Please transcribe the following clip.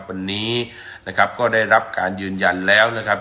วันนี้นะครับก็ได้รับการยืนยันแล้วนะครับ